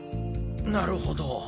なるほど。